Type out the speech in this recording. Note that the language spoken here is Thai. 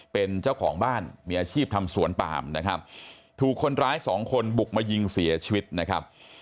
เป็นเจ้าของบ้านมีอาชีพทำสวนปามนะครับถูกคนร้ายสองคนบุกมายิงเสียชีวิตนะครับ